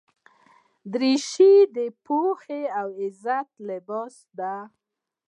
دریشي د پوهې او عزت لباس دی.